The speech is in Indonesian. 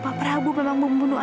pak prabu memang membunuh